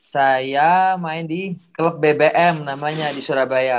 saya main di klub bbm namanya di surabaya